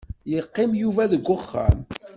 Yeqqim Yuba deg uxxam.